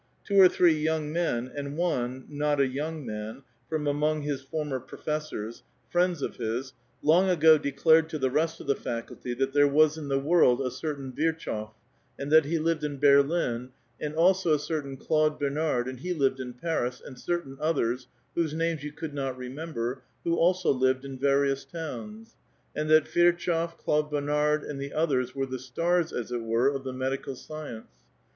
Two or three joung men, and one, not a young man, from among his for 202 A VITAL QUESTION. mcr professors, friends of his, long ago declared to the rest of the tucully tliat there was in the world a certain Virchow, and he Uved in Berlin, and also a certain Claude Bernard, and he lived in Paris, and ceitain others, whose names you could not remember, who also lived in various towns ; and that Virchow, Claude Bernard, and the others were the stars, as it were, of the medical science.